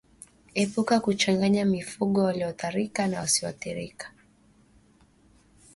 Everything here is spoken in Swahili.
Epuka kuchanganya mifugo walioathirika na wasioathirika